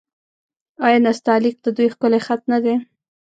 آیا نستعلیق د دوی ښکلی خط نه دی؟